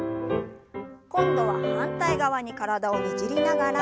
今度は反対側に体をねじりながら。